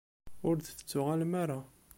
Ur d-tettuɣalem ara.